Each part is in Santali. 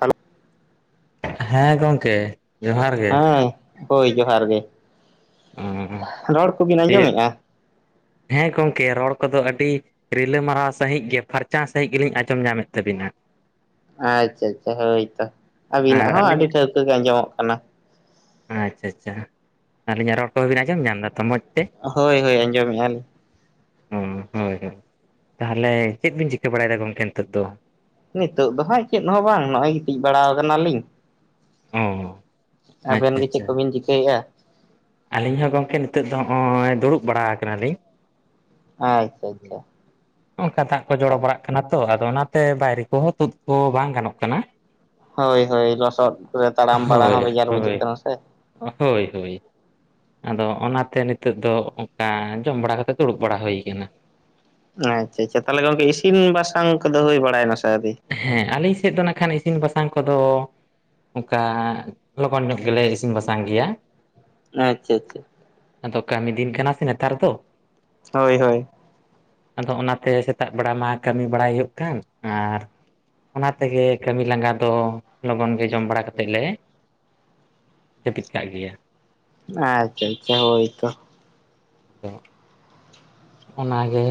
ᱦᱮᱞᱳᱜᱼᱼ ᱦᱮᱸ ᱜᱚᱝᱠᱮᱼᱼ ᱦᱮᱸ ᱦᱳᱭ ᱡᱚᱦᱟᱨ ᱜᱮ, ᱩᱸ ᱨᱚᱲ ᱠᱚᱵᱤᱱ ᱰᱮᱴ ᱟᱸᱡᱚᱢᱮᱫᱼᱟ ᱦᱮᱸ ᱜᱚᱝᱠᱮ ᱨᱚᱲ ᱠᱚᱫᱚ ᱟᱹᱰᱤᱼᱼ ᱨᱤᱞᱟᱹ ᱢᱟᱨᱟᱣ ᱥᱟᱺᱦᱤᱡ ᱜᱮ ᱯᱷᱟᱹᱨᱪᱟ ᱥᱟᱺᱦᱤᱡ ᱜᱮᱞᱤᱧ ᱟᱸᱡᱚᱢ ᱧᱟᱢᱮᱫ ᱛᱟᱹᱵᱤᱱᱟ᱾ ᱟᱪᱷᱟ ᱟᱪᱷᱟ ᱦᱳᱭ ᱛᱚ ᱟᱵᱤᱱᱟᱜ ᱟᱨ ᱦᱚᱸ ᱟᱹᱰᱤ ᱟᱹᱞᱤᱧᱟᱜ ᱴᱷᱟᱹᱣᱠᱟᱹ ᱜᱮ ᱟᱸᱡᱚᱢᱚᱜ ᱠᱟᱱᱟ᱾ ᱟᱪᱷᱟ-ᱟᱪᱷᱟᱼᱼ ᱟᱹᱞᱤᱧᱟᱜ ᱨᱚᱲ ᱠᱚ ᱵᱤᱱ ᱟᱸᱡᱚᱢ ᱧᱟᱢ ᱫᱟ ᱛᱚ ᱢᱚᱡᱽ ᱛᱮ? ᱦᱳᱭ ᱦᱳᱭ ᱟᱸᱡᱚᱢᱮᱫᱼᱟ ᱞᱤᱧ ᱦᱚᱸ ᱦᱳᱭ-ᱦᱳᱭ ᱛᱟᱦᱚᱞᱮ ᱪᱮᱫ ᱵᱤᱱ ᱪᱤᱠᱟᱹ ᱵᱟᱲᱟᱭᱮᱫᱟ ᱜᱚᱝᱠᱮ ᱱᱤᱛᱚᱜ ᱫᱚ? ᱱᱤᱛᱚᱜ ᱫᱚ ᱦᱟᱸᱜ ᱪᱮᱫ ᱦᱚᱸ ᱵᱟᱝ ᱱᱚᱜ-ᱚᱭ ᱜᱤᱛᱤᱡ ᱵᱟᱲᱟ ᱠᱟᱱᱟᱞᱤᱧ, ᱚᱻ ᱟᱹᱵᱮᱱ ᱜᱮ ᱪᱮᱫ ᱠᱚᱵᱤᱱ ᱪᱤᱠᱟᱹᱭᱮᱜ-ᱟ? ᱟᱹᱞᱤᱧ ᱦᱚᱸ ᱜᱚᱝᱠᱮ ᱱᱤᱛᱚᱜ ᱫᱚ ᱦᱚᱸᱜ-ᱚᱭ ᱫᱩᱲᱩᱵ ᱵᱟᱲᱟ ᱠᱟᱱᱟ ᱞᱤᱧ, ᱟᱪᱪᱷᱟ-ᱟᱪᱪᱷᱟ ᱚᱱᱠᱟ ᱛᱟᱦᱟᱸᱜ ᱠᱚ ᱡᱚᱲᱚ ᱵᱟᱲᱟᱜ ᱠᱟᱱᱟ ᱛᱚ, ᱟᱫᱚ ᱚᱱᱟᱛᱮ ᱵᱟᱭᱨᱮ ᱠᱚᱦᱚᱸ ᱛᱩᱫ ᱠᱚ ᱵᱟᱝ ᱜᱟᱱᱚᱜ ᱠᱟᱱᱟ᱾ ᱦᱳᱭ-ᱦᱳᱭ ᱞᱚᱥᱚᱫ ᱠᱚᱨᱮ ᱛᱟᱲᱟᱢ ᱵᱟᱲᱟ ᱦᱚᱸ ᱵᱮᱡᱟᱨ ᱵᱩᱡᱟᱹᱜ ᱠᱟᱱᱟ ᱥᱮᱼᱼ ᱦᱳᱭ-ᱦᱳᱭ ᱟᱫᱚ ᱚᱱᱟᱛᱮ ᱱᱤᱛᱚᱜ ᱫᱚ ᱚᱝᱠᱟ ᱡᱚᱢ ᱵᱟᱲᱟ ᱠᱟᱛᱮ ᱫᱩᱲᱩᱵ ᱵᱟᱲᱟ ᱦᱩᱭ ᱠᱟᱱᱟ᱾ ᱟᱪᱷᱟ-ᱟᱪᱷᱟ ᱛᱟᱦᱚᱞᱮ ᱜᱚᱝᱠᱮ ᱤᱥᱤᱱ-ᱵᱟᱥᱟᱝ ᱠᱚᱫᱚ ᱦᱩᱭ ᱵᱟᱲᱟ ᱮᱱᱟ ᱥᱮ ᱟᱹᱣᱨᱤ? ᱦᱮᱸ ᱟᱹᱞᱤᱧ ᱥᱮᱫ ᱫᱚ ᱱᱟᱠᱷᱟᱱ ᱤᱥᱤᱱ-ᱵᱟᱥᱟᱝ ᱠᱚᱫᱚᱼᱼ ᱚᱝᱠᱟ ᱞᱚᱜᱚᱱ ᱧᱚᱜ ᱜᱮᱞᱮ ᱤᱥᱤᱱ-ᱵᱟᱥᱟᱝ ᱜᱮᱭᱟ, ᱟᱪᱷᱟ-ᱟᱪᱷᱟ ᱟᱫᱚ ᱠᱟᱹᱢᱤ ᱫᱤᱱ ᱠᱟᱱᱟ ᱥᱮ ᱱᱮᱛᱟᱨ ᱫᱚ, ᱦᱳᱭ-ᱦᱳᱭᱼᱼ ᱟᱫᱚ ᱚᱱᱟᱛᱮ ᱥᱮᱛᱟᱜ ᱵᱮᱲᱟ ᱢᱟ ᱠᱟᱹᱢᱤ ᱵᱟᱲᱟᱭ ᱦᱩᱭᱩᱜ ᱠᱟᱱ, ᱟᱨᱼᱼ ᱚᱱᱟ ᱛᱮᱜᱮ ᱠᱟᱹᱢᱤ ᱞᱟᱸᱜᱟ ᱫᱚ ᱞᱚᱜᱚᱱ ᱜᱮ ᱡᱚᱢ ᱵᱟᱲᱟ ᱠᱟᱛᱮᱫ ᱞᱮᱼᱼ ᱡᱟᱹᱯᱤᱫ ᱠᱟᱜ ᱜᱮᱭᱟ, ᱟᱪᱪᱷᱟ-ᱟᱪᱪᱷᱟ ᱦᱳᱭ ᱛᱚᱼᱼ [unintelligible] ᱚᱱᱟᱜᱮ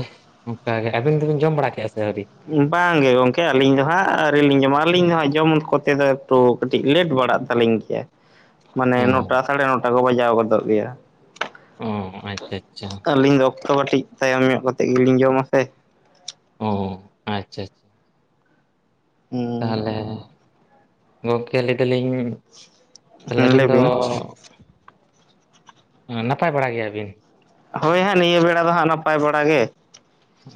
ᱚᱝᱠᱟᱜᱮ ᱟᱹᱵᱤᱱ ᱫᱚᱵᱤᱱ ᱡᱚᱢ ᱵᱟᱲᱟ ᱠᱮᱜ-ᱟ ᱥᱮ ᱟᱹᱣᱨᱤ? ᱵᱟᱝ ᱜᱮ ᱜᱚᱝᱠᱮ ᱟᱹᱞᱤᱧ ᱫᱚ ᱦᱟᱸᱜ ᱟᱹᱣᱨᱤ ᱞᱤᱧ ᱡᱚᱢᱟ ᱟᱹᱞᱤᱧ ᱫᱚ ᱦᱟᱸᱜ ᱡᱚᱢ ᱠᱚᱛᱮ ᱫᱚ ᱮᱠᱴᱩᱼᱼ ᱠᱟᱹᱴᱤᱡ ᱞᱮᱴ ᱵᱟᱲᱟᱜ ᱛᱟᱹᱞᱤᱧ ᱜᱮᱭᱟ᱾ ᱢᱟᱱᱮ ᱚ ᱱᱚᱴᱟ ᱥᱟᱲᱮ ᱱᱚᱴᱟ ᱠᱚ ᱵᱟᱡᱟᱣ ᱜᱚᱫᱚᱜ ᱜᱮᱭᱟ᱾ ᱚ ᱟᱪᱪᱷᱟ ᱟᱪᱪᱷᱟ ᱟᱹᱞᱤᱧ ᱫᱚᱼᱼ ᱛᱚ ᱠᱟᱹᱴᱤᱡ ᱛᱟᱭᱚᱢ ᱧᱚᱜ ᱠᱟᱛᱮᱜ ᱜᱮᱞᱤᱧ ᱡᱚᱢᱟ ᱥᱮᱼᱼ ᱚᱸᱻ ᱟᱪᱪᱷᱟ-ᱟᱪᱪᱷᱟ ᱛᱟᱦᱚᱞᱮ ᱦᱩᱸ ᱜᱚᱢᱠᱮ ᱞᱟᱹᱭ ᱫᱟᱹᱞᱤᱧ ᱛᱟᱦᱚᱞᱮ ᱟᱹᱵᱤᱱ ᱫᱚ ᱞᱟᱹᱭᱵᱤᱱ ᱩᱸ ᱱᱟᱯᱟᱭ ᱵᱟᱲᱟ ᱜᱮᱭᱟ ᱵᱤᱱ? ᱦᱳᱭ ᱦᱟᱸ ᱱᱤᱭᱟᱹ ᱵᱮᱲᱟ ᱫᱚ ᱦᱟᱸᱜ ᱱᱟᱯᱟᱭ ᱵᱟᱲᱟ ᱜᱮ,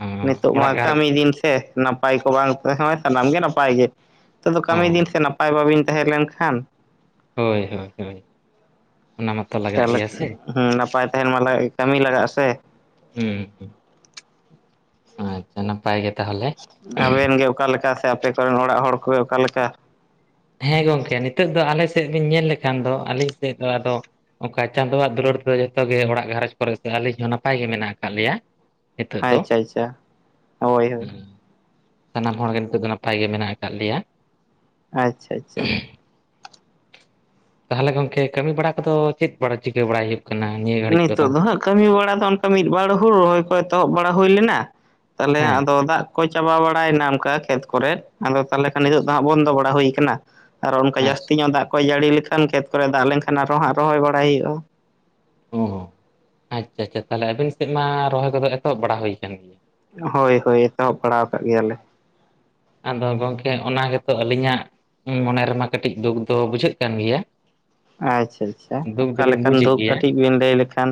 ᱟᱸ, ᱱᱤᱛᱚᱜ ᱢᱟ ᱚᱲᱟᱜ ᱜᱷᱟᱨᱚᱸᱡᱽ ᱠᱟᱹᱢᱤ ᱫᱤᱱ ᱥᱮ᱾ ᱱᱟᱯᱟᱭ ᱠᱚ ᱵᱟᱝ ᱛᱟᱦᱮᱸ ᱥᱟᱱᱟᱢ ᱜᱮ ᱱᱟᱯᱟᱭ ᱜᱮ, ᱱᱤᱛᱚᱜ ᱫᱚ ᱚ ᱠᱟᱹᱢᱤ ᱫᱤᱱ ᱥᱮ ᱱᱟᱯᱟᱭ ᱵᱟᱵᱤᱱ ᱛᱟᱦᱮᱸ ᱞᱮᱱ ᱠᱷᱟᱱ ᱦᱳᱭ ᱦᱳᱭ ᱦᱳᱭ᱾ ᱚᱱᱟ ᱢᱟᱛᱚ ᱞᱟᱜᱟᱜ ᱛᱟᱦᱞᱮ ᱜᱮᱭᱟ ᱥᱮ ᱦᱩᱸ ᱱᱟᱯᱟᱭ ᱛᱟᱸᱦᱮᱱ ᱢᱟ ᱠᱟᱹᱢᱤ ᱞᱟᱜᱟᱜᱼᱟ ᱥᱮ? ᱦᱩᱸ ᱦᱩᱸ᱾ ᱟᱪᱪᱷᱟ ᱱᱟᱯᱟᱭ ᱜᱮ ᱛᱟᱦᱚᱞᱮ᱾ ᱟᱵᱮᱱ ᱜᱮ ᱚᱠᱟ ᱞᱮᱠᱟ ᱥᱮ ᱟᱯᱮ ᱠᱚᱨᱮᱱ ᱚᱲᱟᱜ ᱦᱚᱲ ᱠᱚᱜᱮ ᱚᱠᱟ ᱞᱮᱠᱟ? ᱦᱮᱸ ᱜᱚᱝᱠᱮ ᱱᱤᱛᱚᱜ ᱫᱚ ᱟᱞᱮ ᱥᱮᱫ ᱵᱮᱱ ᱧᱮᱞ ᱞᱮᱠᱷᱟᱱ ᱫᱚ, ᱟᱹᱞᱤᱧ ᱥᱮᱫ ᱫᱚ ᱟᱫᱚ ᱚᱠᱟ ᱪᱟᱸᱫᱳᱣᱟᱜ ᱫᱩᱞᱟᱹᱲ ᱛᱮ ᱫᱚ ᱡᱷᱚᱛᱚ ᱜᱮ ᱚᱲᱟᱜ ᱜᱷᱟᱨᱚᱸᱡᱽ ᱨᱮ ᱥᱮ ᱟᱹᱞᱤᱧ ᱦᱚᱸ ᱱᱟᱯᱟᱭ ᱜᱮ ᱢᱮᱱᱟᱜ ᱠᱟᱜ ᱞᱮᱭᱟ᱾ ᱱᱤᱛᱚᱜ ᱫᱚ ᱟᱪᱪᱷᱟ ᱟᱪᱪᱷᱟ ᱦᱳᱭ ᱦᱳᱭ᱾ ᱥᱟᱱᱟᱢ ᱦᱚᱲ ᱜᱮ ᱱᱤᱛᱚᱜ ᱫᱚ ᱱᱟᱯᱟᱭ ᱜᱮ ᱢᱮᱱᱟᱜ ᱠᱟᱜ ᱞᱮᱭᱟ᱾ ᱟᱪᱪᱷᱟ ᱟᱪᱪᱷᱟ᱾ ᱛᱟᱦᱚᱞᱮ ᱜᱚᱝᱠᱮ ᱠᱟᱹᱢᱤ ᱵᱟᱲᱟ ᱠᱚᱫᱚ ᱪᱮᱫ ᱵᱟᱲᱟ ᱪᱤᱠᱟᱹ ᱵᱟᱲᱟᱭ ᱦᱩᱭᱩᱜ ᱠᱟᱱᱟ ᱱᱤᱭᱟᱹ ᱜᱷᱟᱹᱲᱤᱡ ᱠᱚᱫᱚ ᱱᱤᱛᱚᱜ ᱫᱚ ᱦᱟᱸᱜ ᱠᱟᱹᱢᱤ ᱵᱟᱲᱟ ᱫᱚ ᱚᱱᱠᱟ ᱢᱤᱫ ᱵᱟᱨ ᱦᱩᱲ ᱨᱚᱦᱚᱭ ᱠᱚ ᱮᱛᱚᱦᱚᱵ ᱵᱟᱲᱟ ᱦᱩᱭ ᱞᱮᱱᱟ, ᱛᱟᱦᱞᱮ ᱦᱮᱸ ᱟᱫᱚ ᱫᱟᱜ ᱠᱚ ᱪᱟᱵᱟ ᱵᱟᱲᱟᱭ ᱱᱟ ᱚᱱᱠᱟ ᱠᱷᱮᱛ ᱠᱚᱨᱮᱫ, ᱟᱫᱚ ᱛᱟᱦᱚᱞᱮ ᱠᱷᱟᱱ ᱱᱤᱛᱚᱜ ᱫᱚ ᱟᱪᱪᱷᱟ ᱦᱟᱸᱜ ᱵᱚᱱᱫᱚ ᱵᱟᱲᱟ ᱦᱳᱭᱠᱟᱱᱟ ᱟᱨᱚ ᱚᱱᱠᱟ ᱡᱟᱹᱥᱛᱤ ᱟᱪᱪᱷᱟ ᱧᱚᱜ ᱫᱟᱜ ᱠᱚᱭ ᱡᱟᱹᱲᱤ ᱞᱮᱠᱷᱟᱱ ᱠᱷᱮᱛ ᱠᱚ ᱨᱮ ᱫᱟᱜ ᱞᱮᱱᱠᱷᱟᱱ ᱟᱨᱚ ᱦᱟᱸᱜ ᱨᱚᱦᱚᱭ ᱵᱟᱲᱟᱭ ᱦᱩᱭᱩᱜᱼᱟ᱾ ᱚ ᱟᱪᱪᱷᱟ ᱪᱷᱟ ᱛᱟᱦᱞᱮ ᱟᱵᱤᱱ ᱥᱮᱫ ᱢᱟ ᱨᱚᱦᱚᱭ ᱠᱚ ᱫᱚ ᱮᱛᱚᱦᱚᱵ ᱵᱟᱲᱟ ᱦᱩᱭ ᱠᱟᱱ ᱜᱮᱭᱟ? ᱦᱳᱭ ᱦᱳᱭ ᱮᱛᱚᱦᱚᱵ ᱵᱟᱲᱟᱣ ᱠᱟᱫ ᱜᱮᱭᱟᱞᱮ᱾ ᱟᱫᱚ ᱜᱚᱝᱠᱮ ᱚᱱᱟ ᱜᱮᱛᱚ ᱟᱹᱞᱤᱧᱟᱜ ᱢᱚᱱᱮ ᱨᱮ ᱢᱟ ᱠᱟᱹᱴᱤᱡ ᱫᱩᱠ ᱫᱚ ᱵᱩᱡᱷᱟᱹᱜ ᱠᱟᱱ ᱜᱮᱭᱟ᱾ ᱟᱪᱪᱷᱟ ᱪᱷᱟ, ᱫᱩᱠ ᱚᱠᱟ ᱫᱚᱞᱤᱧ ᱞᱮᱠᱟᱱ ᱵᱩᱡᱮᱫ ᱫᱩᱠ ᱜᱮᱭᱟ ᱠᱟᱹᱴᱤᱡ ᱵᱤᱱ ᱞᱟᱹᱭ ᱞᱮᱠᱷᱟᱱ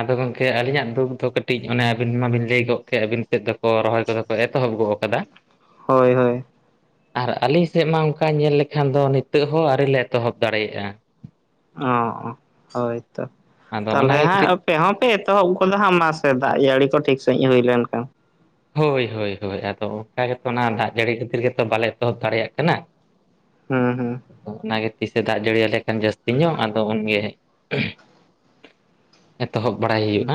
ᱟᱫᱚ ᱜᱚᱢᱠᱮ ᱟᱹᱞᱤᱧᱟᱜ ᱫᱩᱠ ᱫᱚ ᱠᱟᱹᱴᱤᱡ ᱚᱱᱮ ᱟᱹᱵᱤᱱ ᱢᱟᱵᱤᱱ ᱞᱟᱹᱭ ᱜᱚᱜ ᱠᱮᱫ ᱟᱹᱵᱤᱱ ᱥᱮᱫ ᱫᱚᱠᱚ ᱨᱚᱦᱚᱭ ᱠᱚᱫᱚ ᱠᱚ ᱮᱛᱚᱦᱚᱵ ᱜᱚᱫ ᱠᱟᱫᱟ, ᱦᱳᱭ ᱦᱳᱭ᱾ ᱟᱨ ᱟᱞᱤᱧ ᱥᱮᱫ ᱢᱟ ᱚᱱᱠᱟ ᱧᱮᱞ ᱞᱮᱠᱷᱟᱱ ᱫᱚ ᱱᱤᱛᱚᱜ ᱦᱚᱸ ᱟᱹᱣᱨᱤ ᱞᱮ ᱮᱛᱚᱦᱚᱵ ᱫᱟᱲᱮᱭᱟᱜᱼᱟ᱾ ᱚ ᱚ ᱦᱳᱭ ᱛᱚ ᱟᱫᱚ ᱛᱟᱦᱚᱞᱮ ᱚᱱᱟᱜᱮ ᱦᱟᱸᱜ ᱠᱟᱹᱴᱤᱡ ᱟᱯᱮ ᱦᱚᱸᱯᱮ ᱮᱛᱚᱦᱚᱵ ᱜᱚᱫᱟ ᱦᱟᱸᱜ ᱢᱟᱥᱮ ᱫᱟᱜ ᱡᱟᱹᱲᱤ ᱠᱚ ᱴᱷᱤᱠ ᱥᱟᱺᱦᱤᱡ ᱦᱩᱭ ᱞᱮᱱᱠᱷᱟᱱ᱾ ᱦᱳᱭ ᱦᱳᱭ ᱦᱳᱭ, ᱟᱫᱚ ᱚᱝᱠᱟ ᱜᱮᱛᱚ ᱚᱱᱟ ᱫᱟᱜ ᱡᱟᱹᱲᱤ ᱠᱷᱟᱹᱛᱤᱨ ᱜᱮᱛᱚ ᱵᱟᱞᱮ ᱮᱛᱚᱦᱚᱵ ᱫᱟᱲᱮᱭᱟᱜ ᱠᱟᱱᱟ, ᱦᱩᱸ ᱦᱩᱸ᱾ ᱟᱫᱚ ᱚᱱᱟᱜᱮ ᱛᱤᱥᱮ ᱫᱟᱜ ᱡᱟᱹᱲᱤᱭᱟ ᱞᱮ ᱠᱷᱟᱱ ᱡᱟᱹᱥᱛᱤ ᱧᱚᱜ ᱟᱫᱚ ᱩᱱᱜᱮ ᱮᱛᱚᱦᱚᱵ ᱵᱟᱲᱟᱭ ᱦᱩᱭᱩᱜᱼᱟ᱾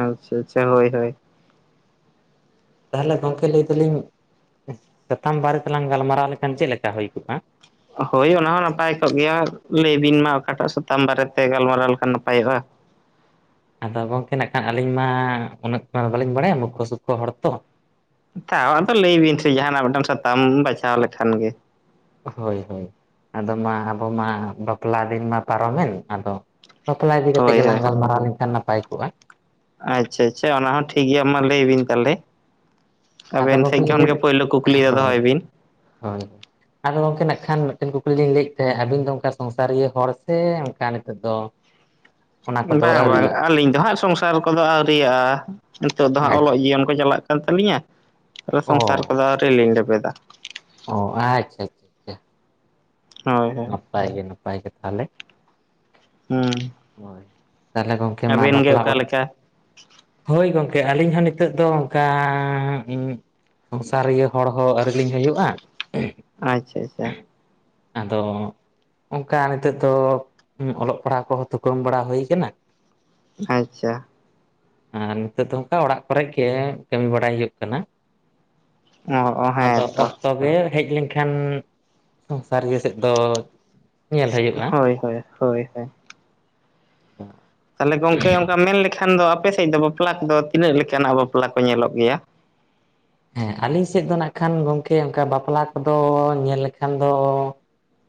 ᱟᱪᱪᱷᱟ ᱪᱷᱟ ᱦᱳᱭ ᱦᱳᱭ᱾ ᱛᱟᱦᱚᱞᱮ ᱜᱚᱝᱠᱮ ᱞᱟᱹᱭ ᱫᱟᱞᱤᱧ ᱥᱟᱛᱟᱢ ᱵᱟᱨᱮ ᱛᱮᱞᱟᱝ ᱜᱟᱞᱢᱟᱨᱟᱣ ᱞᱮᱠᱷᱟᱱ ᱪᱮᱫ ᱞᱮᱠᱟ ᱦᱳᱭ ᱠᱚᱜᱼᱟ? ᱦᱳᱭ ᱚᱱᱟ ᱦᱚᱸ ᱱᱟᱯᱟᱭ ᱠᱚᱜ ᱜᱮᱭᱟ, ᱞᱟᱹᱭ ᱵᱤᱱ ᱢᱟ ᱚᱠᱟᱴᱟᱜ ᱥᱟᱛᱟᱢ ᱵᱟᱨᱮᱛᱮ ᱜᱟᱞᱢᱟᱨᱟᱣ ᱞᱮᱠᱷᱟᱱ ᱱᱟᱯᱟᱭᱚᱜᱼᱟ᱾ ᱟᱫᱚ ᱜᱚᱝᱠᱮ ᱱᱟᱜ ᱠᱷᱟᱱ ᱟᱹᱞᱤᱧ ᱢᱟ ᱩᱱᱟᱹᱜ ᱢᱟ ᱵᱟᱹᱞᱤᱧ ᱵᱟᱲᱟᱭᱟ ᱢᱩᱠᱠᱷᱚ ᱥᱚᱠᱠᱠᱷᱚ ᱦᱚᱲ ᱛᱚ, ᱛᱟᱣ ᱟᱫᱚ ᱞᱟᱹᱭ ᱵᱤᱱ ᱥᱮ ᱡᱟᱸᱦᱱᱟᱜ ᱢᱤᱫᱴᱟᱝ ᱥᱟᱛᱟᱢ ᱵᱟᱪᱷᱟ ᱞᱮᱠᱷᱟᱱ ᱜᱮ᱾ ᱦᱳᱭ ᱦᱳᱭ, ᱟᱫᱚ ᱢᱟ ᱟᱵᱚ ᱢᱟ ᱵᱟᱯᱞᱟ ᱫᱤᱱ ᱢᱟ ᱯᱟᱨᱚᱢᱮᱱ ᱟᱫᱚ ᱵᱟᱯᱞᱟ ᱤᱫᱤ ᱠᱟᱛᱮ ᱦᱳᱭ ᱜᱮᱞᱟᱝ ᱦᱳᱭ ᱜᱟᱞᱢᱟᱨᱟᱣ ᱞᱮᱱᱠᱷᱟᱱ ᱱᱟᱯᱟᱭ ᱠᱚᱜᱼᱟ᱾ ᱟᱪᱪᱷᱟ ᱟᱪᱪᱷᱟ, ᱚᱱᱟ ᱦᱚᱸ ᱴᱷᱤᱠ ᱜᱮᱭᱟ ᱢᱟ ᱞᱟᱹᱭ ᱵᱤᱱ ᱛᱟᱦᱚᱞᱮ᱾ ᱟᱫᱚ ᱟᱵᱮᱱ ᱜᱚᱝᱠᱮ ᱥᱮᱫ ᱞᱤᱧ ᱠᱷᱚᱱᱜᱮ ᱞᱟᱹᱭ ᱯᱳᱭᱞᱳ ᱠᱩᱠᱞᱤ ᱫᱚ ᱦᱳᱭ ᱫᱚᱦᱚᱭ ᱵᱤᱱ᱾ ᱦᱳᱭ᱾ ᱟᱫᱚ ᱜᱚᱝᱠᱮ ᱱᱟᱜ ᱠᱷᱟᱱ ᱢᱤᱫᱴᱮᱱ ᱠᱩᱠᱞᱤ ᱞᱤᱧ ᱞᱟᱹᱭᱮᱫ ᱛᱟᱦᱮᱸᱫ ᱟᱹᱵᱤᱱ ᱫᱚ ᱚᱱᱠᱟ ᱥᱚᱝᱥᱟᱨᱤᱭᱟᱹ ᱦᱚᱲ ᱥᱮ ᱚᱱᱠᱟ ᱱᱤᱛᱚᱜ ᱫᱚ [inaudible] ᱚᱱᱟ ᱠᱚᱫᱚ ᱵᱟᱝ ᱵᱟᱝ ᱟᱹᱣᱨᱤᱭᱟᱜ ᱟᱹᱞᱤᱧ ᱫᱚ ᱦᱟᱸᱜ ᱥᱚᱝᱥᱟᱨ ᱠᱚ ᱫᱚ ᱟᱹᱣᱨᱤᱭᱟᱜᱼᱟ, ᱱᱤᱛᱚᱜ ᱫᱚ ᱦᱟᱸᱜ ᱚᱞᱚᱜ ᱟᱪᱪᱷᱟ ᱡᱤᱭᱚᱱ ᱠᱚ ᱪᱟᱞᱟᱜ ᱠᱟᱱ ᱛᱟᱹᱟᱞᱤᱧᱟ ᱛᱮ ᱚ ᱥᱚᱝᱥᱟᱨ ᱠᱚ ᱫᱚ ᱟᱣᱨᱤ ᱞᱤᱧ ᱞᱮᱵᱮᱫᱟ᱾ ᱚ ᱟᱪᱪᱷᱟ ᱟᱪᱪᱷᱟ᱾ ᱟᱪᱪᱷᱟ ᱦᱳᱭ ᱦᱳᱭ᱾ ᱱᱟᱯᱟᱭ ᱜᱮ ᱱᱟᱯᱟᱭ ᱜᱮ ᱛᱟᱦᱚᱞᱮ᱾ ᱦᱩᱸ ᱦᱳᱭ ᱛᱟᱦᱞᱮ ᱜᱚᱢᱠᱮ ᱢᱟ ᱟᱵᱮᱱ ᱜᱮ ᱵᱟᱯᱞᱟ ᱚᱠᱟ ᱚᱲᱟᱜ᱾ ᱞᱮᱠᱟ ᱦᱳᱭ ᱜᱚᱢᱠᱮ ᱟᱞᱤᱧ ᱦᱚᱸ ᱱᱤᱛᱚᱜ ᱫᱚ ᱚᱱᱠᱟ᱾ ᱥᱚᱝᱥᱟᱨᱤᱭᱟᱹ ᱦᱚᱲ ᱦᱚᱸ ᱟᱹᱣᱨᱤ ᱞᱤᱧ ᱦᱩᱭᱩᱜᱼᱟ᱾ ᱟᱪᱪᱷᱟ ᱟᱪᱪᱷᱟ ᱟᱫᱚ ᱚᱱᱠᱟ ᱱᱤᱛᱚᱜ ᱫᱚ ᱚᱞᱚᱜ ᱯᱟᱲᱦᱟᱜ ᱠᱚᱦᱚᱸ ᱠᱚᱢ ᱵᱟᱲᱟ ᱦᱩᱭ ᱠᱟᱱᱟ᱾ ᱟᱪᱪᱷᱟ ᱟᱨ ᱱᱤᱛᱚᱜ ᱫᱚ ᱚᱱᱠᱟ ᱚᱲᱟᱜ ᱠᱚᱨᱮ ᱜᱮ ᱠᱟᱹᱢᱤ ᱵᱟᱲᱟᱭ ᱦᱩᱭᱩᱜ ᱠᱟᱱᱟ᱾ ᱚ ᱦᱮᱸ ᱟᱫᱚ ᱛᱚ ᱚᱠᱛᱚ ᱜᱮ ᱦᱮᱡ ᱞᱮᱱᱠᱷᱟᱱ ᱥᱚᱝᱥᱟᱨᱤᱭᱟᱹ ᱥᱮᱫ ᱫᱚ᱾ ᱧᱮᱞ ᱦᱩᱭᱩᱜᱼᱟ ᱦᱳᱭ ᱦᱳᱭ ᱦᱳᱭ ᱦᱳᱭ᱾ ᱛᱟᱦᱚᱞᱮ ᱜᱚᱝᱠᱮ ᱚᱱᱠᱟ ᱢᱮᱱ ᱞᱮᱠᱷᱟᱱ ᱫᱚ ᱟᱯᱮ ᱥᱮᱫ ᱫᱚ, ᱵᱟᱯᱞᱟ ᱠᱚᱫᱚ ᱛᱤᱱᱟᱹᱜ ᱞᱮᱠᱟᱱᱟᱜ ᱵᱟᱯᱞᱟ ᱠᱚ ᱧᱮᱞᱚᱜ ᱜᱮᱭᱟ᱾ ᱦᱮᱸ ᱟᱹᱞᱤᱧ ᱥᱮᱫ ᱫᱚ ᱱᱟᱜ ᱠᱷᱟᱱ ᱜᱚᱢᱠᱮ ᱚᱱᱠᱟ ᱵᱟᱯᱞᱟ ᱠᱚᱫᱚ ᱧᱮᱞ ᱞᱮᱠᱷᱟᱱ ᱫᱚ᱾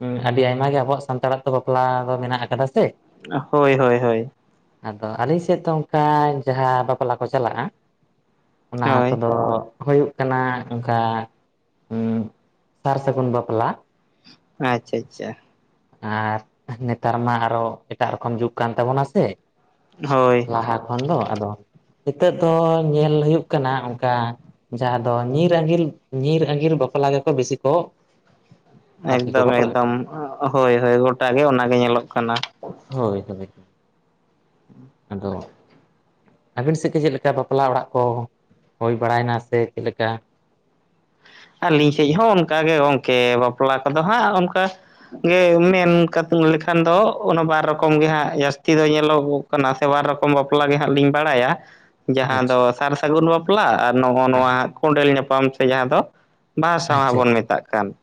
ᱦᱮᱸ ᱟᱹᱰᱤ ᱟᱭᱢᱟ ᱜᱮ ᱟᱵᱚᱣᱟᱜ ᱥᱟᱱᱛᱟᱲᱟᱜ ᱛᱚ ᱵᱟᱯᱞᱟ ᱫᱚ ᱢᱮᱱᱟᱜ ᱟᱠᱟᱫᱟ ᱥᱮ᱾ ᱦᱳᱭ ᱦᱳᱭ ᱦᱳᱭ ᱟᱫᱚ ᱟᱹᱞᱤᱧ ᱥᱮᱫ ᱫᱚ ᱚᱱᱠᱟ ᱡᱟᱸᱦᱟ ᱵᱟᱯᱞᱟ ᱠᱚ ᱪᱟᱞᱟᱜᱼᱟ ᱚᱱᱟ ᱦᱳᱭ ᱠᱚᱫᱚ᱾ ᱦᱩᱭᱩᱜ ᱠᱟᱱᱟ ᱚᱱᱠᱟ ᱩᱸ ᱥᱟᱨ ᱥᱟᱹᱜᱩᱱ ᱵᱟᱯᱞᱟ᱾ ᱟᱪᱪᱷᱟ ᱟᱪᱪᱷᱟ ᱟᱨ ᱱᱮᱛᱟᱨ ᱢᱟ ᱟᱨᱚ ᱮᱴᱟᱜ ᱨᱚᱠᱚᱢ ᱡᱩᱜᱽ ᱠᱟᱱ ᱛᱟᱵᱚᱱᱟ ᱥᱮ᱾ ᱦᱳᱭ ᱞᱟᱦᱟ ᱠᱷᱚᱱ ᱫᱚ ᱟᱫᱚ ᱱᱤᱛᱚᱜ ᱫᱚ ᱧᱮᱞ ᱦᱩᱭᱩᱜ ᱠᱟᱱᱟ ᱚᱱᱠᱟ᱾ ᱡᱟᱸᱦᱟ ᱫᱚ ᱧᱤᱨ ᱟᱸᱜᱤᱨ ᱧᱤᱨ ᱟᱜᱤᱨ ᱵᱟᱯᱞᱟ ᱜᱮᱠᱚ ᱵᱤᱥᱤ ᱠᱚ᱾ ᱟᱨᱠᱤ ᱠᱚ ᱮᱠᱫᱚᱢ ᱵᱟᱯᱞᱟᱜ ᱮᱠᱫᱚᱢ ᱠᱟᱱᱟ ᱦᱳᱭ ᱦᱳᱭ ᱜᱚᱴᱟ ᱜᱮ ᱚᱱᱟ ᱜᱮ ᱧᱮᱞᱚᱜ ᱠᱟᱱᱟ᱾ ᱦᱳᱭ ᱛᱚᱵᱮ ᱟᱫᱚ ᱟᱹᱵᱤᱱ ᱥᱮᱫ ᱜᱮ ᱪᱮᱫ ᱞᱮᱠᱟ ᱵᱟᱯᱞᱟ ᱚᱲᱟᱜ ᱠᱚ ᱦᱩᱭ ᱵᱟᱲᱟᱭᱱᱟ ᱥᱮ ᱪᱮᱫ ᱞᱮᱠᱟ? ᱟᱹᱞᱤᱧ ᱥᱮᱫ ᱦᱚᱸ ᱚᱱᱠᱟᱜᱮ ᱜᱚᱢᱠᱮ ᱵᱟᱯᱞᱟ ᱠᱚᱫᱚ ᱦᱟᱸᱜ ᱚᱱᱠᱟ᱾ ᱜᱮ ᱢᱮᱱ ᱞᱮᱠᱷᱟᱱ ᱫᱚ ᱚᱱᱟ ᱵᱟᱨ ᱨᱚᱠᱚᱢ ᱜᱮ ᱦᱟᱸᱜ ᱡᱟᱹᱥᱛᱤ ᱫᱚ ᱧᱮᱞᱚᱜ᱾ ᱠᱟᱱᱟ ᱥᱮ ᱵᱟᱨ ᱨᱚᱠᱚᱢ ᱵᱟᱯᱞᱟ ᱜᱮ ᱦᱟᱸᱜ ᱞᱤᱧ ᱵᱟᱲᱟᱭᱟ᱾ ᱡᱟᱸᱦᱟ ᱫᱚ ᱟᱪᱪᱷᱟ ᱥᱟᱨ ᱥᱟᱹᱜᱩᱱ ᱵᱟᱯᱞᱟ ᱟᱨ ᱱᱚᱜᱼᱚ ᱱᱚᱣᱟ ᱠᱚᱸᱰᱮᱞ ᱧᱟᱯᱟᱢ ᱥᱮ ᱡᱟᱸᱦᱟ ᱫᱚ᱾ ᱵᱟᱦᱟ ᱥᱟᱶᱟ ᱟᱪᱪᱷᱟ ᱵᱚᱱ ᱟᱪᱪᱷᱟ ᱢᱮᱛᱟᱜ ᱠᱟᱱ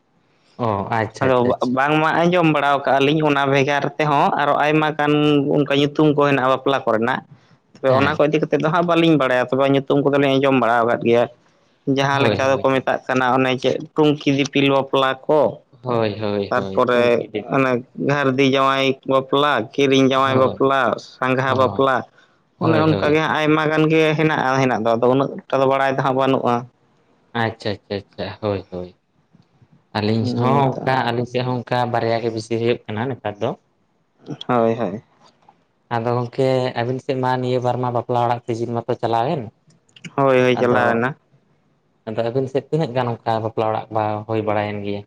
ᱚ ᱟᱪᱪᱷᱟ ᱟᱪᱪᱷᱟ ᱟᱫᱚ ᱟᱪᱪᱷᱟ ᱵᱟᱝ ᱢᱟ ᱟᱸᱡᱚᱢ ᱵᱟᱲᱟ᱾ ᱠᱟᱜ ᱞᱤᱧ ᱚᱱᱟ ᱵᱷᱮᱜᱟᱨ ᱛᱮᱦᱚᱸ ᱟᱨᱚ ᱟᱭᱢᱟ ᱜᱟᱱ ᱚᱱᱠᱟ ᱧᱩᱛᱩᱢ ᱠᱚ ᱦᱮᱱᱟᱜᱼᱟ, ᱵᱟᱯᱞᱟ ᱠᱚᱨᱮᱱᱟᱜ᱾ ᱛᱚᱵᱮ ᱦᱮᱸ ᱚᱱᱟ ᱠᱚ ᱤᱫᱤ ᱠᱟ ᱠᱟᱛᱮᱜ ᱫᱚ ᱦᱟᱸᱜ ᱵᱟᱹᱞᱤᱧ ᱵᱟᱲᱟᱭᱟ ᱛᱚᱵᱮ ᱧᱩᱛᱩᱢ ᱠᱚᱫᱚᱞᱤᱧ ᱟᱸᱡᱚᱢ ᱵᱟᱲᱟ ᱠᱫ ᱜᱮᱭᱟ᱾ ᱡᱟᱸᱦᱟ ᱞᱮᱠᱟ ᱫᱚᱠᱚ ᱢᱮᱛᱟᱜ ᱠᱟᱱᱟ ᱚᱱᱮ ᱡᱮ ᱴᱩᱝᱠᱤ ᱫᱤᱯᱤᱞ ᱵᱟᱯᱞᱟ ᱠᱚ᱾ ᱛᱟᱨᱯᱚᱨᱮ ᱚᱱᱮ ᱜᱷᱟᱨᱫᱤ ᱡᱟᱶᱟᱭ ᱵᱟᱯᱞᱟ᱾ ᱠᱤᱨᱤᱧ ᱡᱟᱶᱟᱭ ᱵᱟᱯᱞᱟ, ᱥᱟᱸᱜᱷᱟ ᱵᱟᱯᱞᱟ ᱚᱱᱮ ᱚᱱᱠᱟ ᱜᱮ᱾ ᱟᱭᱢᱟ ᱜᱟᱱ ᱜᱮ ᱦᱮᱱᱟᱜᱼᱟ ᱦᱮᱱᱟᱜ ᱫᱚ ᱟᱫᱚ ᱩᱱᱟᱹᱜ ᱴᱟ ᱫᱚ ᱵᱟᱲᱟᱭ ᱫᱚ ᱵᱟᱹᱱᱩᱜᱼᱟ᱾ ᱟᱪᱪᱷᱟ ᱟᱪᱪᱷᱟ ᱟᱪᱪᱷᱟ ᱦᱳᱭ ᱦᱳᱭ᱾ ᱟᱹᱞᱤᱧ ᱦᱚᱸ ᱦᱩᱸ ᱛᱚ ᱚᱱᱠᱟ ᱟᱹᱞᱤᱧ ᱥᱮᱫ ᱦᱚᱸ ᱚᱱᱠᱟ ᱵᱟᱨᱭᱟ ᱜᱮ ᱵᱮᱥᱤ ᱦᱩᱭᱩᱜ ᱠᱟᱱᱟ ᱱᱮᱛᱟᱨ ᱫᱚ᱾ ᱦᱳᱭ ᱦᱳᱭ ᱟᱫᱚ ᱜᱚᱢᱠᱮ ᱟᱵᱤᱱ ᱥᱮᱫ ᱢᱟ ᱱᱤᱭᱟᱹ ᱵᱟᱨ ᱢᱟ ᱵᱟᱯᱞᱟ ᱚᱲᱟᱜ ᱥᱤᱡᱤᱱ ᱢᱟᱛᱚ ᱪᱟᱞᱟᱣᱮᱱ᱾ ᱦᱳᱭ ᱦᱳᱭ ᱟᱫᱚ ᱪᱟᱞᱟᱣᱮᱱᱟ ᱟᱫᱚ ᱟᱹᱵᱤᱱ ᱥᱮᱫ ᱛᱤᱱᱟᱹᱜ ᱜᱟᱱ ᱚᱱᱠᱟ ᱵᱟᱯᱞᱟ ᱚᱲᱟᱜ ᱵᱟ ᱦᱩᱭ ᱵᱟᱲᱟᱭᱮᱱ ᱜᱮᱭᱟ?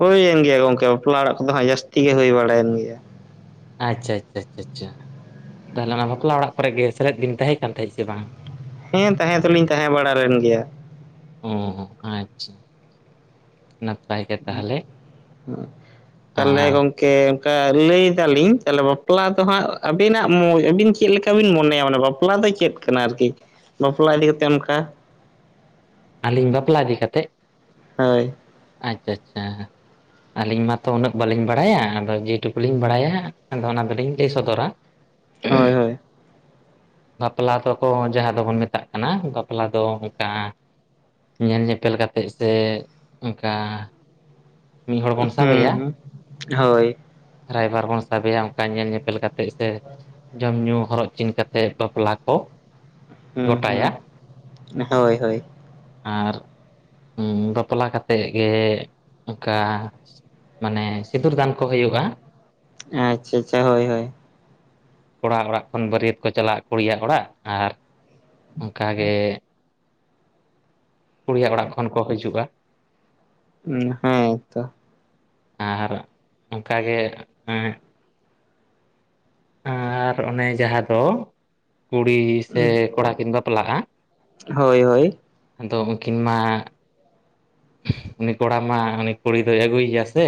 ᱦᱳᱭ-ᱮᱱ ᱜᱮᱭᱟ ᱜᱚᱝᱠᱮ ᱵᱟᱯᱞᱟ ᱚᱲᱟᱜ ᱠᱚᱫᱚ ᱦᱟᱸᱜ ᱡᱟᱥᱛᱤ ᱜᱮ ᱦᱩᱭ ᱵᱟᱲᱟᱭᱮᱱ ᱜᱮᱭᱟ᱾ ᱟᱪᱪᱷᱟ-ᱟᱪᱪᱷᱟ-ᱟᱪᱪᱷᱟ-ᱟᱪᱟ ᱛᱟᱦᱚᱞᱮ ᱚᱱᱟ ᱵᱟᱯᱞᱟ ᱚᱲᱟᱜ ᱠᱚᱨᱮᱜ ᱜᱮ ᱥᱮᱞᱮᱫ ᱵᱤᱱ ᱛᱟᱦᱮᱸ ᱠᱟᱱ ᱛᱟᱦᱮᱸᱫ ᱥᱮ ᱵᱟᱝ? ᱦᱮᱸ ᱛᱟᱦᱮᱸ ᱫᱚᱞᱤᱧ ᱛᱟᱦᱮᱸ ᱵᱟᱲᱟ ᱞᱮᱱ ᱜᱮᱭᱟ᱾ ᱩᱸ ᱟᱪᱪᱷᱟᱼᱼ ᱱᱟᱯᱟᱭ ᱜᱮ ᱛᱟᱦᱞᱮ, ᱟᱨᱼᱼ ᱠᱮ ᱚᱱᱠᱟ ᱞᱟᱹᱭ ᱫᱟᱞᱤᱧ ᱛᱟᱦᱚᱞᱮ ᱵᱟᱯᱞᱟ ᱫᱚ ᱦᱟᱸᱜ ᱟᱹᱵᱤᱱᱟᱜ ᱢᱚ ᱟᱹᱵᱤᱱ ᱪᱮᱫ ᱞᱮᱠᱟ ᱵᱤᱱ ᱢᱚᱱᱮᱭᱟ? ᱢᱟᱱᱮ ᱵᱟᱯᱞᱟᱼᱼ ᱵᱟᱯᱞᱟ ᱫᱚ ᱪᱮᱫ ᱠᱟᱱᱟ? ᱟᱨᱠᱤ ᱵᱟᱯᱞᱟ ᱤᱫᱤ ᱠᱟᱛᱮᱫ ᱚᱱᱠᱟᱼᱼ ᱟᱹᱞᱤᱧ ᱵᱟᱯᱞᱟ ᱤᱫᱤ ᱠᱟᱛᱮᱡᱼᱼ ᱦᱳᱭ ᱟᱪᱪᱟ-ᱪᱷᱟ-ᱪᱷᱟ ᱟᱹᱞᱤᱧ ᱢᱟᱛᱚ ᱩᱱᱟᱹᱜ ᱵᱟᱹᱞᱤᱧ ᱵᱟᱲᱟᱭᱟ ᱟᱫᱚ ᱡᱮ ᱴᱩᱠᱩᱞᱤᱧ ᱵᱟᱲᱟᱭᱟ ᱟᱫᱚ ᱚᱱᱟ ᱫᱚᱞᱤᱧ ᱞᱟᱹᱭ ᱥᱚᱫᱚᱨᱟ᱾ ᱦᱳᱭ ᱦᱳᱭ ᱵᱟᱯᱞᱟ ᱛᱚᱠᱚ ᱡᱟᱦᱟᱸ ᱫᱚᱵᱚᱱ ᱢᱮᱛᱟᱜ ᱠᱟᱱᱟ ᱵᱟᱯᱞᱟ ᱫᱚ ᱚᱝᱠᱟᱼᱼ ᱧᱮᱞ ᱧᱮᱯᱮᱞ ᱠᱟᱛᱮᱜ ᱥᱮ ᱚᱝᱠᱟᱼᱼ ᱢᱤᱫ ᱦᱚᱲ ᱵᱚᱱ ᱦᱩᱸ ᱥᱟᱵᱮᱭᱟ, ᱦᱩᱸ ᱦᱳᱭ ᱨᱟᱭᱵᱟᱨ ᱵᱚᱱ ᱥᱟᱵᱮᱭᱟ ᱚᱝᱠᱟ ᱧᱮᱞ ᱧᱮᱯᱮᱞ ᱠᱟᱛᱮᱜ ᱥᱮᱼᱼ ᱡᱚᱢ ᱧᱩᱸ ᱦᱚᱨᱚᱜ ᱪᱤᱱ ᱠᱟᱛᱮᱜ ᱵᱟᱯᱞᱟ ᱠᱚᱼᱼ ᱦᱩᱸ-ᱦᱩᱸ ᱦᱳᱭ-ᱦᱳᱭ ᱟᱨ ᱩᱸ ᱵᱟᱯᱞᱟ ᱠᱟᱛᱮᱜ ᱜᱮᱼᱼ ᱚᱠᱟ ᱢᱟᱱᱮ ᱥᱤᱸᱫᱩᱨ ᱫᱟᱱ ᱠᱚ ᱦᱩᱭᱩᱜ-ᱟ᱾ ᱟᱸᱪᱪᱟ ᱪᱟ ᱦᱳᱭ-ᱦᱳᱭ ᱠᱚᱲᱟ ᱚᱲᱟᱜ ᱠᱷᱚᱱ ᱵᱟᱹᱨᱭᱟᱹᱛ ᱠᱚ ᱪᱟᱞᱟᱜ-ᱟ ᱠᱩᱲᱤᱭᱟᱜ ᱚᱲᱟᱜ, ᱟᱨᱼᱼ ᱚᱝᱠᱟ ᱜᱮᱼᱼ [inaudible] ᱠᱩᱲᱤᱭᱟᱜ ᱚᱲᱟᱜ ᱠᱷᱚᱱ ᱠᱚ ᱦᱟᱹᱡᱩᱜ-ᱟ᱾ ᱩᱸ ᱦᱮᱸ ᱛᱚ ᱟᱨ ᱚᱝᱠᱟ ᱜᱮ ᱮᱸᱼᱼ ᱦᱮᱸ ᱟᱨ ᱚᱱᱮ ᱡᱟᱦᱟᱸ ᱫᱚ ᱠᱩᱲᱤ ᱥᱮ ᱠᱚᱲᱟ ᱠᱤᱱ ᱵᱟᱯᱞᱟᱜ-ᱟ᱾ ᱦᱳᱭ-ᱦᱳᱭᱼᱼ ᱟᱫᱚ ᱩᱝᱠᱤᱱ ᱢᱟᱼᱼ ᱩᱱᱤ ᱠᱚᱲᱟ ᱢᱟ ᱩᱱᱤ ᱠᱩᱲᱤ ᱫᱚᱭ ᱟᱹᱜᱩᱭᱮᱭ ᱜᱮᱭᱟ ᱥᱮᱼᱼ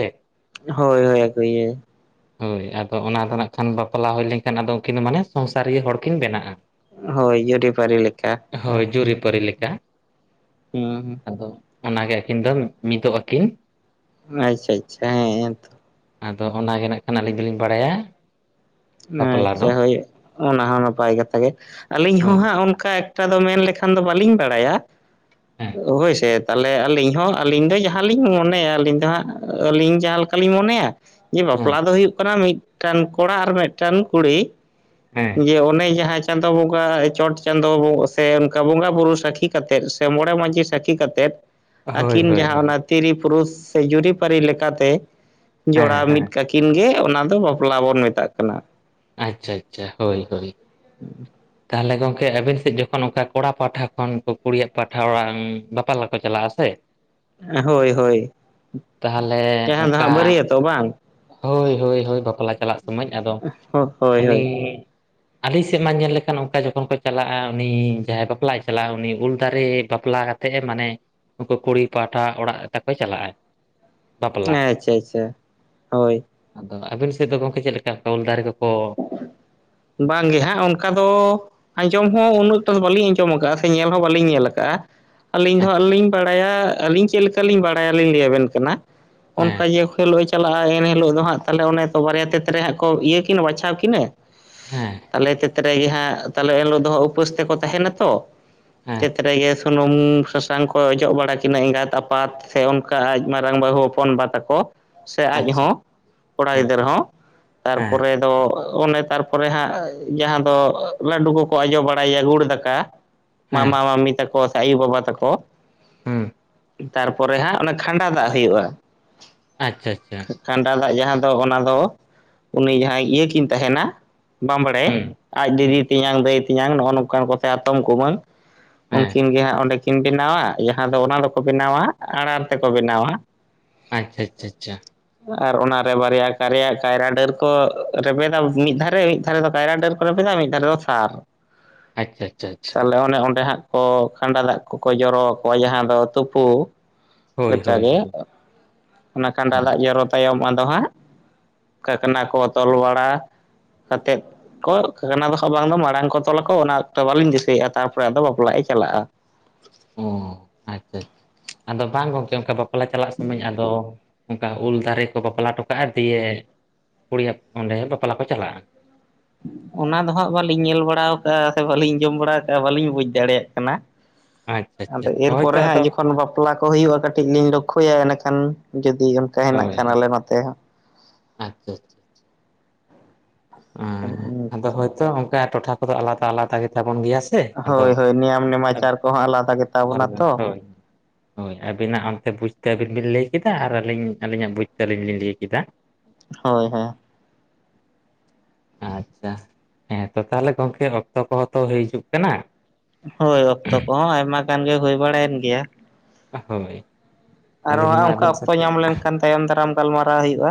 ᱦᱳᱭ-ᱦᱳᱭ ᱟᱹᱜᱩᱭᱮᱭᱟᱭᱼᱼ ᱦᱳᱭ, ᱟᱫᱚ ᱚᱱᱟ ᱫᱚ ᱱᱟᱦᱟᱜ ᱠᱷᱟᱱ ᱵᱟᱯᱞᱟ ᱦᱩᱭ ᱞᱮᱱᱠᱷᱟᱱ ᱟᱫᱚ ᱩᱝᱠᱤᱱ ᱫᱚ ᱢᱟᱱᱮ ᱥᱚᱝᱥᱟᱨᱤᱭᱟᱹ ᱦᱚᱲᱠᱤᱱ ᱵᱮᱱᱟᱜ-ᱟ᱾ ᱦᱳᱭ, ᱡᱩᱨᱤ-ᱯᱟᱹᱨᱤ ᱞᱮᱠᱟ᱾ ᱦᱳᱭ, ᱡᱩᱨᱤ-ᱯᱟᱹᱨᱤ ᱞᱮᱠᱟ᱾ ᱦᱩᱸ ᱦᱩ ᱟᱫᱚ ᱚᱱᱟᱜᱮ ᱟᱹᱠᱤᱱ ᱫᱚ ᱢᱤᱫᱚᱜ ᱟᱹᱠᱤᱱᱼᱼ ᱚᱸ ᱟᱪᱪᱷᱟ-ᱟᱪᱪᱷᱟ ᱦᱮᱸ ᱛᱚ, ᱟᱫᱚ ᱚᱱᱟ ᱜᱮ ᱱᱟᱜ ᱠᱷᱟᱱ ᱟᱹᱞᱤᱧ ᱫᱚᱞᱤᱧ ᱵᱟᱲᱟᱭᱟ᱾ ᱵᱟᱯᱞᱟ ᱫᱚ ᱟᱪᱪᱟ ᱦᱳᱭ ᱚᱱᱟ ᱦᱚᱸ ᱱᱟᱯᱟᱭ ᱠᱟᱛᱷᱟ ᱜᱮ, ᱟᱹᱞᱤᱧ ᱦᱚᱸ ᱦᱳᱭ ᱦᱟᱸᱜ ᱚᱝᱠᱟᱼᱼ ᱚᱝᱠᱟ ᱫᱚ ᱢᱮᱱ ᱞᱮᱠᱷᱟᱱ ᱫᱚ ᱵᱟᱹᱞᱤᱧ ᱵᱟᱲᱟᱭᱟ ᱦᱮᱸ ᱦᱳᱭ ᱥᱮᱼᱼ ᱛᱟᱞᱦᱮ ᱟᱹᱞᱤᱧ ᱦᱚᱸ ᱟᱹᱞᱤᱧ ᱫᱚ ᱡᱟᱦᱟᱸᱞᱤᱧ ᱢᱚᱱᱮᱭᱟ ᱟᱹᱞᱤᱧ ᱫᱚ ᱦᱟᱸᱜ ᱟᱹᱞᱤᱧ ᱡᱟᱦᱟᱸ ᱞᱮᱠᱟᱞᱤᱧ ᱢᱚᱱᱮᱭᱟᱼᱼ ᱡᱮ ᱦᱮᱸ ᱵᱟᱯᱞᱟ ᱫᱚ ᱦᱩᱭᱩᱜ ᱠᱟᱱᱟ ᱢᱤᱫᱴᱟᱱ ᱠᱚᱲᱟ ᱟᱨ ᱢᱤᱫᱴᱟᱝ ᱠᱩᱲᱤᱼᱼ ᱦᱮᱸ ᱡᱮ ᱚᱱᱮ ᱡᱟᱦᱟᱸ ᱪᱟᱸᱫᱳ ᱵᱚᱸᱜᱟ ᱪᱚᱴ ᱪᱟᱸᱫᱳ ᱥᱮ ᱚᱱᱠᱟ ᱵᱚᱸᱜᱟ ᱵᱩᱨᱩ ᱥᱟᱹᱠᱷᱤ ᱠᱟᱛᱮᱫ ᱥᱮ ᱢᱚᱬᱮ ᱢᱟᱺᱡᱷᱤ ᱥᱟᱹᱠᱷᱤ ᱠᱟᱛᱮᱫ ᱦᱳᱭ ᱟᱹᱠᱤᱱ ᱦᱳᱭ ᱡᱟᱦᱟᱸ ᱦᱳᱭ ᱚᱱᱟ ᱛᱤᱨᱤ ᱯᱩᱨᱩᱥ ᱥᱮ ᱡᱩᱨᱤᱯᱟᱹᱨᱤ ᱞᱮᱠᱟᱛᱮ ᱦᱮᱸ ᱡᱚᱲᱟᱣ ᱦᱮᱸ ᱢᱤᱫ ᱠᱟᱹᱠᱤᱱ, ᱠᱤᱱ ᱜᱮ ᱚᱱᱟ ᱫᱚ ᱵᱟᱯᱞᱟ ᱵᱚᱱ ᱢᱮᱛᱟᱜ ᱠᱟᱱᱟ᱾ ᱟᱪᱪᱷᱟ ᱟᱪᱪᱷᱟ ᱦᱳᱭ ᱦᱳᱭ, ᱛᱟᱦᱚᱞᱮ ᱜᱚᱝᱠᱮ ᱟᱵᱮᱱ ᱥᱮᱫ ᱡᱚᱠᱷᱚᱱ ᱚᱱᱠᱟ ᱠᱚᱲᱟ ᱯᱟᱦᱴᱟ ᱠᱷᱚᱱ ᱠᱩᱲᱤᱭᱟᱜ ᱯᱟᱴᱟ ᱚᱲᱟᱜ ᱵᱟᱯᱟᱞᱟᱠᱚ ᱪᱟᱞᱟᱜᱼᱟ ᱥᱮ, ᱦᱳᱭ ᱦᱳᱭ ᱛᱟᱦᱚᱞᱮ ᱡᱟᱦᱟᱸ ᱫᱚ ᱚᱱᱠᱟ ᱦᱟᱸᱜ ᱵᱟᱹᱨᱭᱟᱹᱛᱚᱜ ᱵᱟᱝ ᱦᱳᱭ ᱦᱳᱭ ᱦᱳᱭ ᱵᱟᱯᱞᱟ ᱪᱟᱞᱟᱜ ᱥᱚᱢᱚᱭ ᱟᱫᱚ ᱦᱳᱭ ᱦᱳᱭ ᱩᱱᱤ ᱟᱹᱞᱤᱧ ᱥᱮᱫ ᱢᱟ ᱧᱮᱞ ᱞᱮᱠᱷᱟᱱ ᱚᱱᱠᱟ ᱡᱚᱠᱷᱚᱱ ᱠᱚ ᱪᱟᱞᱟᱜᱼᱟ ᱩᱱᱤ ᱡᱟᱦᱟᱸᱭ ᱵᱟᱯᱞᱟᱭ ᱪᱟᱞᱟᱜᱼᱟ ᱩᱱᱤ ᱩᱞ ᱫᱟᱨᱮ ᱵᱟᱯᱞᱟᱜᱼᱟ᱾ ᱛᱮᱦᱮ ᱢᱟᱱᱮ ᱩᱱᱠᱩ ᱠᱩᱲᱤ ᱯᱟᱦᱴᱟ ᱚᱲᱟᱜ ᱛᱟᱠᱚᱭ ᱪᱟᱞᱟᱜᱼᱟᱭ, ᱦᱮᱸ ᱵᱟᱯᱞᱟ ᱟᱪᱪᱷᱟ ᱟᱪᱪᱷᱟ ᱦᱳᱭ᱾ ᱟᱫᱚ ᱟᱹᱵᱤᱱ ᱥᱮᱫ ᱫᱚ ᱜᱚᱝᱠᱮ ᱪᱮᱫ ᱞᱮᱠᱟ ᱩᱞ ᱫᱟᱨᱮ ᱠᱚᱠᱚ ᱵᱟᱝᱜᱮ ᱦᱟᱸᱜ ᱚᱱᱠᱟ ᱫᱚ ᱟᱸᱡᱚᱢ ᱦᱚᱸ ᱩᱱ ᱚᱠᱛᱚ ᱫᱚ ᱵᱟᱹᱞᱤᱧ ᱟᱸᱡᱚᱢ ᱟᱠᱟᱫᱼᱟ᱾ ᱧᱮᱞ ᱦᱚᱸ ᱵᱟᱞᱤᱧ ᱧᱮᱞ ᱟᱠᱟᱜᱼᱟ ᱟᱹᱞᱤᱧ ᱫᱚ ᱦᱟᱜ ᱟᱪᱪᱷᱟ ᱞᱤᱧ ᱵᱟᱲᱟᱭᱟ ᱟᱹᱞᱤᱧ ᱪᱮᱫ ᱞᱮᱠᱟ, ᱞᱤᱧ ᱵᱟᱲᱟᱭᱞᱤᱧ ᱞᱟᱹᱭᱟᱵᱮᱱ ᱠᱟᱱᱟ ᱚᱱᱠᱟ ᱦᱮᱸ ᱡᱮ ᱠᱷᱮᱞᱳ ᱪᱟᱞᱟᱜᱼᱟ ᱮᱱ ᱦᱤᱞᱳᱜ ᱫᱚ ᱦᱟᱸᱜ ᱛᱟᱦᱚᱞᱮ ᱚᱱᱮ ᱛᱚ ᱵᱟᱨᱭᱟ ᱛᱮᱛᱨᱮ ᱦᱟᱸᱜ ᱠᱚ ᱤᱭᱟᱹ ᱠᱤᱱᱟ ᱵᱟᱪᱷᱟᱣ ᱠᱤᱱᱟᱹ ᱦᱮᱸ ᱛᱟᱦᱟᱞᱮ ᱮᱛᱨᱮ ᱜᱮᱦᱟᱸᱜ ᱛᱟᱦᱞᱮ ᱮᱱᱦᱤᱞᱳᱜ ᱫᱚ ᱦᱟᱸᱜ ᱩᱯᱟᱹᱥ ᱛᱮᱠᱚ ᱛᱟᱦᱮᱱᱟᱛᱚ, ᱦᱮᱸ ᱛᱮᱛ ᱨᱮᱜᱮ ᱥᱩᱱᱩᱢ ᱥᱟᱥᱟᱝ ᱠᱚ ᱚᱡᱚᱜ ᱵᱟᱲᱟ ᱠᱤᱱᱟᱹ ᱮᱸᱜᱟᱛ ᱟᱯᱟᱛ, ᱥᱮ ᱚᱱᱠᱟ ᱟᱡ ᱢᱟᱨᱟᱝ ᱵᱟᱹᱦᱩ ᱦᱚᱯᱚᱱᱵᱟ ᱛᱟᱠᱚ ᱥᱮ ᱟᱡ ᱟᱪᱪᱷᱟ ᱦᱚᱸ ᱠᱚᱲᱟ ᱦᱮᱸ ᱜᱤᱫᱟᱹᱨᱟᱹ ᱦᱚᱸ᱾ ᱦᱮᱸ ᱛᱮᱫᱚ ᱚᱱᱮ ᱛᱟᱨᱯᱚᱨᱮ ᱦᱟᱸᱜ ᱡᱟᱦᱟᱸ ᱫᱚ ᱞᱟᱹᱰᱩ ᱠᱚᱠᱚ ᱟᱡᱚ ᱵᱟᱲᱟᱭᱮᱭᱟ ᱜᱩᱲ ᱫᱟᱠᱟ, ᱢᱟᱢ ᱦᱮᱸ ᱼᱢᱟᱢᱤ ᱛᱟᱠᱚ ᱥᱮ ᱟᱹᱭᱩ ᱵᱟᱵᱟ ᱛᱟᱠᱚ, ᱦᱩᱸ ᱛᱟᱨᱯᱚᱨᱮ ᱦᱟᱸᱜ ᱚᱱᱟ ᱠᱷᱟᱸᱰᱟ ᱫᱟᱜ ᱦᱩᱭᱩᱜᱼᱟ᱾ ᱟᱪᱪᱷᱟ ᱪᱷᱟ, ᱠᱦᱟᱸᱰᱟ ᱫᱟᱜᱽ ᱡᱟᱦᱟᱸ ᱫᱚ ᱚᱱᱟ ᱫᱚ ᱩᱱᱤ ᱡᱟᱦᱟᱸᱭ ᱤᱭᱟᱹ ᱠᱤᱱ ᱛᱟᱦᱮᱱᱟ ᱵᱟᱢᱵᱽᱲᱮ ᱦᱩᱸ ᱟᱡ ᱦᱩᱸ ᱫᱤᱫᱤ ᱛᱮᱧᱟᱝ ᱫᱟᱹᱭ, ᱛᱮᱧᱟᱝ ᱱᱚᱜᱼᱚ ᱱᱚᱝᱠᱟᱱ ᱠᱚᱛᱮ ᱦᱟᱛᱚᱢ ᱠᱩᱢᱟᱹᱝ ᱦᱮᱸ ᱩᱱᱠᱤᱱ ᱜᱮ ᱦᱟᱸᱜ ᱚᱸᱰᱮ ᱠᱤᱱ ᱵᱮᱱᱟᱣᱟ ᱡᱟᱦᱟᱸ ᱫᱚ ᱚᱱᱟ ᱫᱚᱠᱚ ᱵᱮᱱᱟᱣᱟ ᱟᱲᱟᱨ ᱛᱮᱠᱚ ᱵᱮᱱᱟᱣᱟ᱾ ᱟᱪᱪᱷᱟ ᱟᱪᱷᱟ ᱟᱪᱷᱟ, ᱟᱨ ᱚᱱᱟᱨᱮ ᱵᱟᱨᱭᱟ ᱠᱟᱨᱮᱭᱟ ᱠᱟᱭᱨᱟ ᱰᱟᱹᱨ ᱠᱚ ᱨᱮᱵᱮᱫᱟ ᱢᱤᱫ ᱫᱷᱟᱨᱮ ᱢᱤᱫ ᱫᱷᱟᱨᱮ ᱫᱚ ᱠᱟᱭᱨᱟ ᱰᱟᱹᱨ ᱠᱚ ᱨᱮᱵᱮᱫᱟ ᱢᱤᱫ ᱫᱷᱟᱨᱮ ᱫᱚ ᱥᱟᱨ᱾ ᱟᱪᱪᱷᱟ ᱟᱪᱪᱷᱟ ᱟᱪᱪᱷᱟ ᱛᱟᱞᱮ ᱚᱱᱮ ᱚᱸᱰᱮ ᱦᱟᱸᱜ ᱠᱚ ᱠᱷᱟᱸᱰᱟ ᱫᱟᱜᱽ ᱠᱚᱠᱚ ᱡᱚᱨᱚ ᱟᱠᱚᱣᱟ ᱡᱟᱦᱟᱸ ᱫᱚ ᱛᱩᱯᱩ᱾ ᱦᱳᱭ ᱦᱳᱭ ᱞᱮᱠᱟᱜᱮ ᱦᱳᱭ ᱚᱱᱟ ᱠᱟᱸᱰᱟ ᱫᱟᱜᱽ ᱡᱚᱨᱚ ᱛᱟᱭᱚᱢ ᱟᱫᱚ ᱦᱟᱸᱜ, ᱠᱟᱱᱟ ᱠᱚ ᱛᱚᱞ ᱵᱟᱲᱟ ᱠᱟᱛᱮᱫ ᱚᱱᱟ ᱫᱚ ᱦᱟᱸᱜ ᱵᱟᱝ ᱫᱚ ᱢᱟᱲᱟᱝ ᱠᱚ ᱛᱚᱞᱟ ᱚᱱᱟ ᱚᱠᱛᱚ ᱵᱟᱞᱤᱧ ᱫᱤᱥᱟᱹᱭᱮᱫᱼᱟ ᱛᱟᱨᱯᱚᱨᱮ ᱟᱫᱚ ᱵᱟᱯᱞᱟᱜ ᱮ ᱪᱟᱞᱟᱜᱼᱟ᱾ ᱚ ᱟᱪᱪᱷᱟ ᱟᱪᱪᱷᱟ ᱟᱫᱚ ᱵᱟᱝ ᱜᱚᱝᱠᱮ ᱚᱱᱠᱟ ᱵᱟᱯᱞᱟ ᱪᱟᱞᱟᱜ ᱥᱚᱢᱚᱭ ᱟᱫᱚ, ᱚᱱᱠᱟ ᱩᱞ ᱫᱟᱨᱮ ᱠᱚ ᱵᱟᱯᱞᱟ ᱦᱚᱴᱚ ᱠᱟᱜᱼᱟ ᱫᱤᱭᱮ ᱠᱩᱲᱤ ᱚᱸᱰᱮ ᱵᱟᱯᱞᱟ ᱠᱚ ᱪᱟᱞᱟᱜᱼᱟ᱾ ᱚᱱᱟ ᱫᱚ ᱦᱟᱸᱜ ᱵᱟᱹᱞᱤᱧ ᱧᱮᱞ ᱵᱟᱲᱟ ᱟᱠᱟᱜᱼᱟ ᱥᱮ ᱵᱟᱹᱞᱤᱧ ᱟᱡᱚᱢ ᱵᱟᱲᱟ ᱟᱠᱟᱜᱼᱟ ᱵᱟᱹᱞᱤᱧ ᱵᱩᱡ ᱫᱟᱲᱮᱭᱟᱜ ᱠᱟᱱᱟ᱾ ᱟᱪᱪᱷᱟ ᱟᱪᱪᱷᱟ ᱟᱫᱚ ᱟᱪᱪᱷᱟ ᱮᱨᱯᱚᱨᱮ ᱦᱳᱭᱛᱚ ᱟᱫᱚ ᱦᱟᱸᱜ ᱡᱚᱠᱷᱚᱱ ᱵᱟᱯ ᱵᱟᱯᱞᱟ ᱠᱚ ᱦᱩᱭᱩᱜᱼᱟ ᱠᱟᱹᱴᱤᱡ ᱞᱤᱧ ᱞᱚᱠᱷᱚᱭᱟ ᱮᱸᱰᱮᱠᱷᱟᱱ ᱡᱩᱫᱤ ᱚᱱᱠᱟ ᱦᱮᱱᱟᱜ ᱦᱳᱭ ᱠᱷᱟᱱ ᱦᱳᱭ ᱟᱞᱮ ᱱᱚᱛᱮ ᱦᱚᱸ, ᱟᱪᱪᱷᱟ ᱟᱪᱷᱟ᱾ ᱦᱮᱸ ᱦᱚᱸ ᱟᱫᱚ ᱦᱳᱭᱛᱚ ᱚᱱᱠᱟ ᱴᱚᱴᱷᱟ ᱠᱚᱫᱚ ᱟᱞᱟᱫᱟ ᱟᱞᱟᱫᱟ ᱜᱮᱛᱟᱵᱚᱱ ᱜᱮᱭᱟ, ᱥᱮ ᱟᱫᱚ ᱦᱳᱭ ᱦᱳᱭ ᱱᱤᱭᱟᱢ ᱟᱵ- ᱱᱮᱢᱟᱪᱟᱨ ᱠᱚᱦᱚᱸ ᱟᱞᱟᱫᱟ ᱜᱮᱛᱟ ᱵᱚᱱᱟ ᱛᱚ᱾ ᱦᱳᱭ ᱦᱳᱭ ᱟᱹᱵᱤᱱᱟᱜ ᱚᱱᱛᱮ ᱵᱩᱡᱽᱛᱮ ᱟᱹᱵᱤᱱ ᱵᱤᱱ ᱞᱟᱹᱭ ᱠᱮᱫᱟ ᱟᱨ ᱟᱹᱞᱤᱧ ᱟᱹᱞᱤᱧᱟᱜ ᱵᱩᱡᱽᱛᱮ ᱟᱹᱞᱤᱧ ᱞᱤᱧ ᱞᱟᱹᱭ ᱠᱮᱫᱟ᱾ ᱦᱳᱭ ᱦᱮᱸ ᱟᱪᱪᱷᱟ ᱦᱮᱸ ᱛᱚ ᱛᱟᱦᱚᱞᱮ ᱜᱚᱝᱠᱮ ᱚᱠᱛᱚ ᱠᱚᱦᱚᱸ ᱛᱚ ᱦᱩᱭ ᱦᱤᱡᱩᱜ ᱠᱟᱱᱟ᱾ ᱦᱳᱭ ᱚᱠᱛᱚ ᱠᱚᱦᱚᱸ ᱟᱭᱢᱟ ᱜᱟᱱ ᱜᱮ ᱦᱩᱭ ᱵᱟᱲᱟᱭᱮᱱ ᱜᱮᱭᱟ᱾ ᱦᱳᱭ ᱟᱨᱚ ᱟᱹᱞᱤᱧ ᱦᱟᱸᱜ ᱢᱟ ᱚᱱᱠᱟ ᱟᱵᱮᱱ ᱚᱠᱛᱚ ᱥᱟᱛᱮ ᱧᱟᱢ ᱞᱮᱱᱠᱷᱟᱱ ᱛᱟᱭᱚᱢ ᱫᱟᱨᱟᱢ ᱜᱟᱞᱢᱟᱨᱟᱣ ᱦᱩᱭᱩᱜᱼᱟ᱾